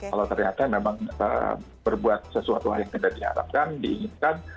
kalau ternyata memang berbuat sesuatu hal yang tidak diharapkan diinginkan